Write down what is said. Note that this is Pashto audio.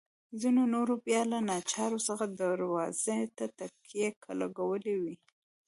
ځینو نورو بیا له ناچارۍ څخه دروازو ته تکیې لګولي وې.